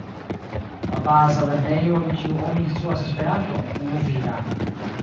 La baza lernejo en kiu oni instruas Esperanton en Uvira.